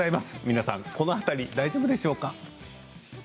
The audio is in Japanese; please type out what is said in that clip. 皆さんこの辺り大丈夫でしょうか。